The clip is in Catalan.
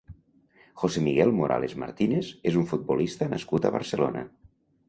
José Miguel Morales Martínez és un futbolista nascut a Barcelona.